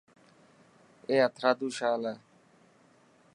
اي هٿرادو شال هي.